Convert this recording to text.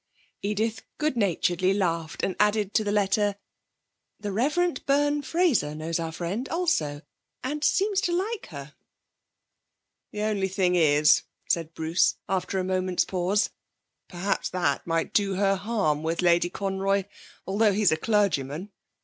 Edith good naturedly laughed, and added to the letter: '"The Rev. Byrne Fraser knows our friend also, and seems to like her."' 'The only thing is,' said Bruce, after a moment's pause, 'perhaps that might do her harm with Lady Conroy, although he's a clergyman.